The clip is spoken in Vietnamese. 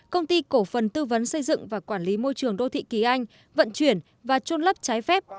công ty cổ phần tư vấn xây dựng và quản lý môi trường đô thị kỳ anh vận chuyển và trôn lấp trái phép